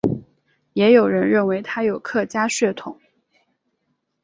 也有人认为他有客家血统。